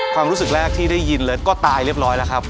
ความรู้สึกแรกที่ได้ยินเลยก็ตายเรียบร้อยแล้วครับ